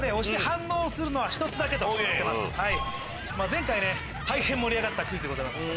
前回大変盛り上がったクイズでございます。